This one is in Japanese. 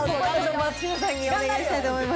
松嶋さんにお願いしたいと思います。